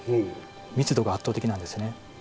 密度が圧倒的なんですね。